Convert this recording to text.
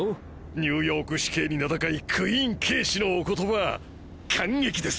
ニューヨーク市警に名高いクイーン警視のお言葉感激です。